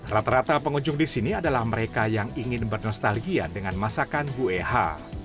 rata rata pengunjung di sini adalah mereka yang ingin bernostalgia dengan masakan bu eha